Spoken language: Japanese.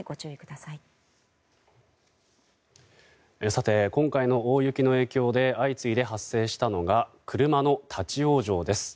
さて、今回の大雪の影響で相次いで発生したのが車の立ち往生です。